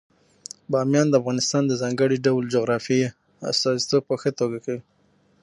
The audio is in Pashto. بامیان د افغانستان د ځانګړي ډول جغرافیې استازیتوب په ښه توګه کوي.